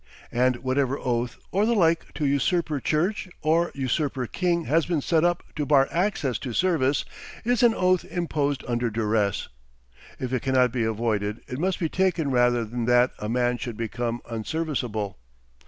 And whatever oath or the like to usurper church or usurper king has been set up to bar access to service, is an oath imposed under duress. If it cannot be avoided it must be taken rather than that a man should become unserviceable.